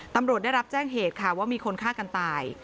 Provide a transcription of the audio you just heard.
ตำรวจได้รับแจ้งเหตุค่ะว่ามีคนฆ่ากันตาย